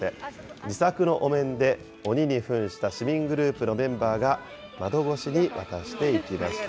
自作のお面で鬼にふんした市民グループのメンバーが、窓越しに渡していきました。